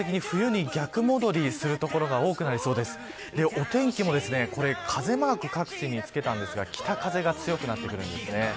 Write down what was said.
お天気も風マーク、各地に付けたんですが北風が強くなってくるんですね。